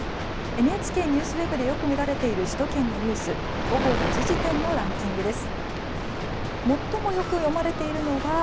ＮＨＫＮＥＷＳＷＥＢでよく見られている首都圏のニュース、午後５時時点のランキングです。